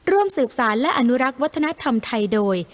ร่วมสืบสารและอนุรักษ์วัฒนธรรมไทยโดย